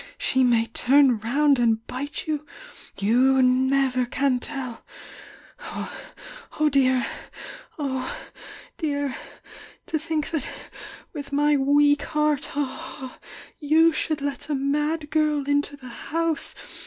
— she may turn round and bite you'— vou can never tell Oh, dear, oh, dear! To think i&t with my weak heart, you should let a mad girl into the house!